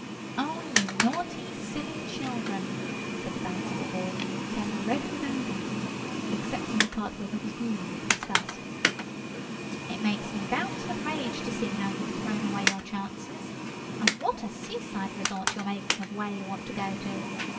] "Oh, you naughty, silly children," said the Bouncible Ball, turning red with anger, except in the part where he was green with disgust; "it makes me bounce with rage to see how you've thrown away your chances, and what a seaside resort you're making of 'Whereyouwantogoto.